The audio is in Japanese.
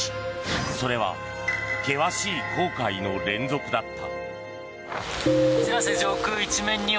それは険しい航海の連続だった。